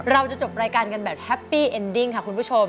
เราจะจบรายการกันแบบแฮปปี้เอ็นดิ้งค่ะคุณผู้ชม